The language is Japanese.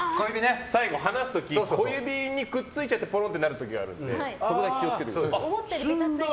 最後、離す時小指にくっついちゃってコロンってなる時があるのでそこだけ気を付けてください。